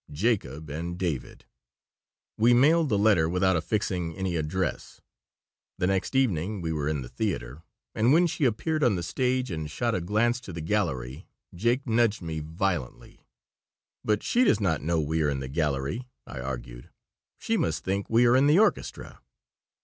Jacob and David." We mailed the letter without affixing any address The next evening we were in the theater, and when she appeared on the stage and shot a glance to the gallery Jake nudged me violently "But she does not know we are in the gallery," I argued. "She must think we are in the orchestra."